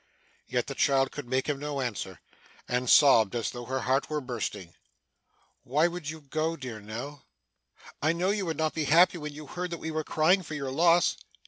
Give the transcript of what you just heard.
Yet the child could make him no answer, and sobbed as though her heart were bursting. 'Why would you go, dear Nell? I know you would not be happy when you heard that we were crying for your loss.